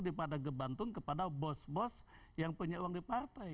daripada bantuan kepada bos bos yang punya uang di partai